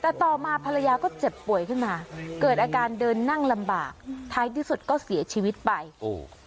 แต่ต่อมาภรรยาก็เจ็บป่วยขึ้นมาเกิดอาการเดินนั่งลำบากท้ายที่สุดก็เสียชีวิตไปโอ้